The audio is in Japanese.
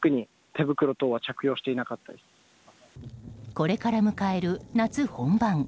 これから迎える夏本番。